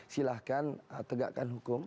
silahkan tegakkan hukum